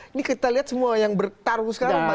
ini kita lihat semua yang bertarung sekarang pak jaya